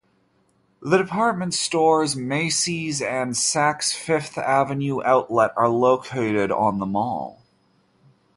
The department stores Macy's and Saks Fifth Avenue Outlet are located on the mall.